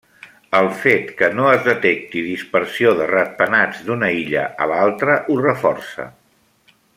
El fet que no es detecti dispersió de ratpenats d'una illa a l'altra ho reforça.